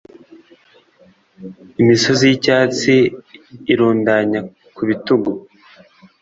Imisozi yicyatsi irundanya ku bitugu